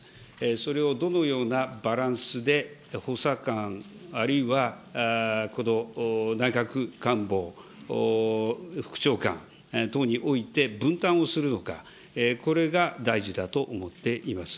それをどのようなバランスで補佐官、あるいはこの内閣官房副長官等において分担をするのか、これが大事だと思っています。